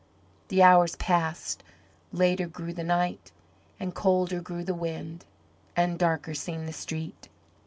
The hours passed; later grew the night, and colder grew the wind, and darker seemed the street.